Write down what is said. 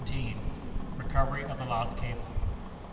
RECOVERY OF THE LOST CABLE.